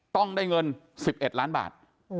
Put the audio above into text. ต้องได้เงิน๑๑ล้านบาท